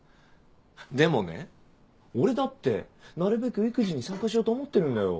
でもね俺だってなるべく育児に参加しようと思ってるんだよ。